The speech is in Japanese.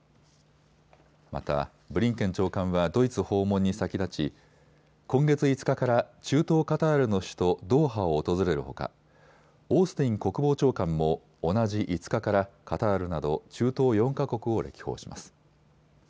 また、ブリンケン長官はドイツ訪問に先立ち今月５日から中東カタールの首都ドーハを訪れるほかオースティン国防長官も同じ５日からカタールなど中東４か国を歴訪します。